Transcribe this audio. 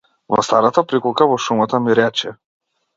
Во старата приколка во шумата ми рече.